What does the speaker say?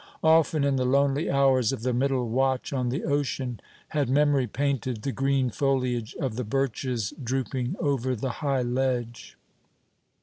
Often, in the lonely hours of the middle watch on the ocean, had memory painted the green foliage of the birches drooping over the high ledge.